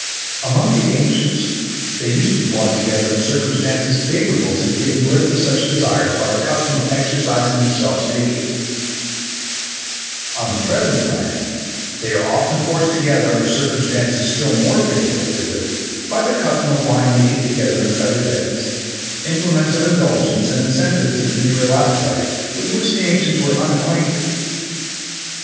Among the antients they used to be brought together in circumstances favourable to the giving birth to such desires by the custom of exercising themselves naked. (See Esp. des Loix, L. 8, ch. ii. Plut. Morals. J.B.) On the present plan they are often forced together under circumstances still more favourable to it by the custom of lying naked together in feather beds, implements of indulgence and incentives to the venereal appetite with which the antients were unacquainted.